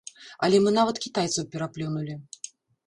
Але мы нават кітайцаў пераплюнулі!